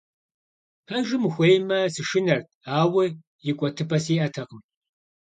Пэжым ухуеймэ, сышынэрт, ауэ икӀуэтыпӀэ сиӀэтэкъым.